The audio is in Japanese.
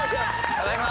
「ただいま」